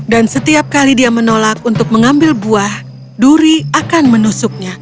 dan setiap kali dia menolak untuk mengambil buah duri akan menusuknya